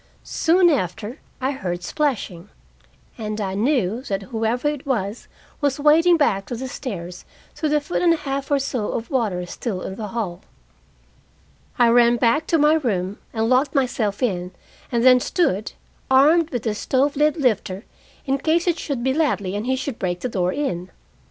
Soon after I heard splashing, and I knew that whoever it was was wading back to the stairs through the foot and a half or so of water still in the hall. I ran back to my room and locked myself in, and then stood, armed with the stove lid lifter, in case it should be Ladley and he should break the door in.